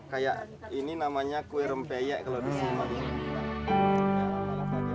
kayak ini namanya kue rempeyek kalau disini